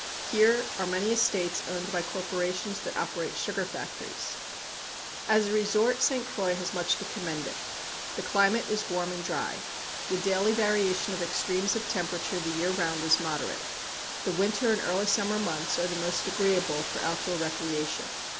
Here are many estates owned by corporations that operate sugar factories. As a resort, St. Croix has much to commend it. The climate is warm and dry. The daily variation of extremes of temperature the year 'round is moderate. The winter and early summer months are the most agreeable for outdoor recreation.